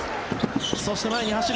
そして前に走る。